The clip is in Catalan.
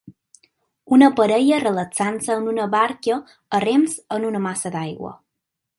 Una parella relaxant-se en una barca a rems en una massa d'aigua.